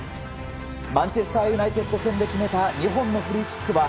マンチェスター・ユナイテッド戦で決めた２本のフリーキックは